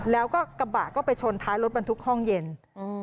แล้วก็กระบะก็ไปชนท้ายรถบรรทุกห้องเย็นอืม